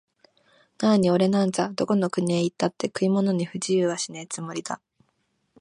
なあにおれなんざ、どこの国へ行ったって食い物に不自由はしねえつもりだ